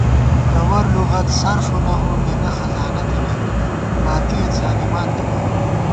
گوَرلُغَت صرف و نحو مېنہ خزانہ تھنَئیت باتِیَہ څھانِمان تِوَہ